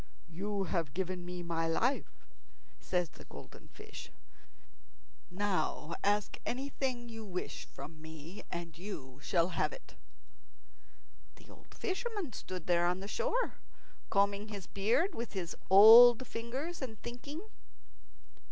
"You have given me my life," says the golden fish. "Now ask anything you wish from me, and you shall have it." The old fisherman stood there on the shore, combing his beard with his old fingers, and thinking.